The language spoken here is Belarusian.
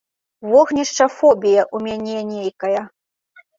Вогнішча-фобія ў мяне нейкая!